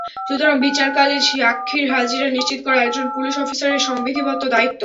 সুতরাং, বিচারকালে সাক্ষীর হাজিরা নিশ্চিত করা একজন পুলিশ অফিসারের সংবিধিবদ্ধ দায়িত্ব।